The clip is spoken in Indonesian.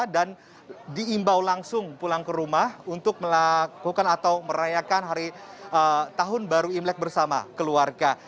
dan diimbau langsung pulang ke rumah untuk melakukan atau merayakan hari tahun baru imlek bersama keluarga